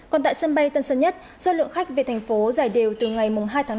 còn tại sân bay tân sơn nhất do lượng khách về thành phố giải đều từ ngày hai tháng năm